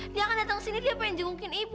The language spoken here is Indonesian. dia akan datang ke sini dia pengen jengukin ibu